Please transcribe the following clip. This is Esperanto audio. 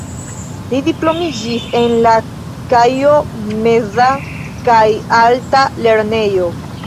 Li diplomiĝis en la Kaijo-meza kaj alta lernejo.